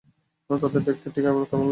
তাদের দেখতে ঠিক কেমন বলোতো।